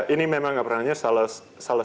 ini memang nggak pernah nanya salah